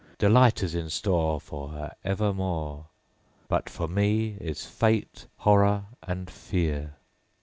'Delight is in store For her evermore; But for me is fate, horror, and fear.'